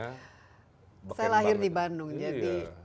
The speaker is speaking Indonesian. saya lahir di bandung